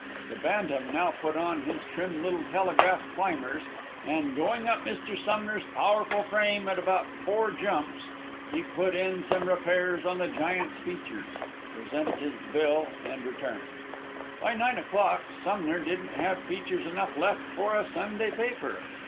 The bantam now put on his trim little telegraph climbers and, going up Mr. Sumner's powerful frame at about four jumps, he put in some repairs on the giant's features, presented his bill, and returned. By nine o'clock Sumner didn't have features enough left for a Sunday paper.